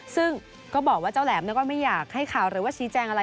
ซึ่งก็บอกว่าเจ้าแหลมก็ไม่อยากให้ข่าวหรือว่าชี้แจงอะไร